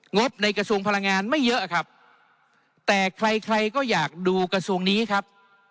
บในกระทรวงพลังงานไม่เยอะครับแต่ใครใครก็อยากดูกระทรวงนี้ครับ